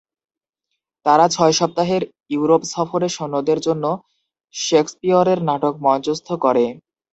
তারা ছয় সপ্তাহের ইউরোপ সফরে সৈন্যদের জন্য শেকসপিয়রের নাটক মঞ্চস্থ করে।